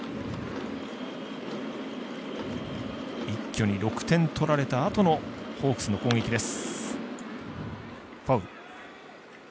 一挙に６点取られたあとのホークスの攻撃です。